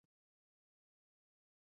هغه خپل پتلون اغوستۍ دي